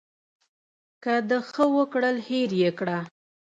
که د ښه وکړل هېر یې کړه .